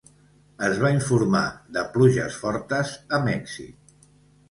Es va informar de pluges fortes a Mèxic.